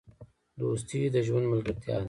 دوستي د ژوند ملګرتیا ده.